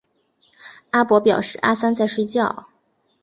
阿伯表示阿三在睡觉